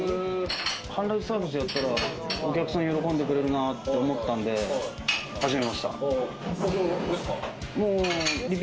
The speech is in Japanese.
半ライスサービスやったら、お客さん喜んでくれるなって思ったんで始めました。